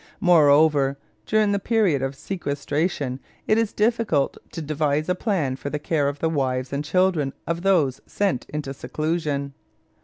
Moreover, during the period of sequestration it is difficult to devise a plan for the care of the wives and children of those sent into seclusion.